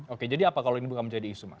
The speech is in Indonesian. oke jadi apa kalau ini bukan menjadi isu mas